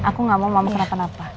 aku gak mau mama kenapa napa